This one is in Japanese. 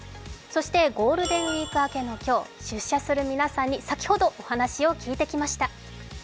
ゴールデンウイーク明けの今日、出社する皆さんに先ほど、お話を聞いてきました。